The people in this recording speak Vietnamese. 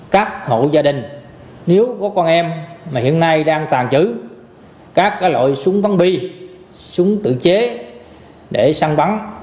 các hộ gia đình nếu có con em mà hiện nay đang tàn trữ các loại súng bắn bi súng tự chế để săn bắn